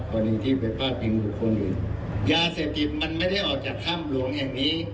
พอหนึ่งที่ไปฝากผิงบุคคลอื่นยาเศรษฐิตมันไม่ได้ออกจากค่ำหลวงแห่งนี้